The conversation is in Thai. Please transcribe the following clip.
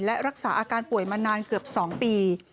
และรักษาอาการป่วยมานานเกือบ๒ปี